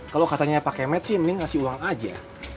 kalau katanya pak kemet sih mending kasih uang saja